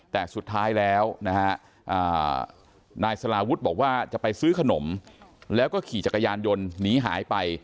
แต่สุดท้ายแล้วนะฮะนายสลาวุฒิบอกว่าจะไปซื้อขนมแล้วก็ขี่จักรยานยนต์หนีหายไป